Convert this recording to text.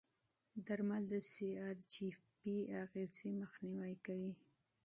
درمل د سی ار جي پي اغېزې مخنیوي کوي.